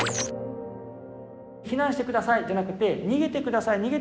「避難してください」じゃなくて「にげてください。